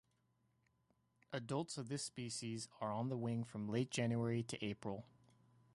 Adults of this species are on the wing from late January to April.